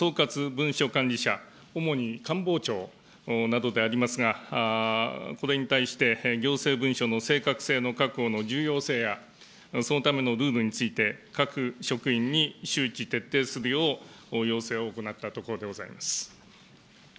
文書管理者、主に官房長などでありますが、これに対して行政文書の正確性の確保の重要性や、そのためのルールについて、各職員に周知徹底するよう、要請を行ったところでございます。